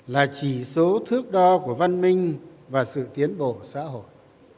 là chỉ số thước đo của văn minh và sự tiến bộ xã hội